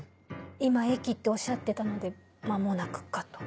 今駅っておっしゃってたので間もなくかと。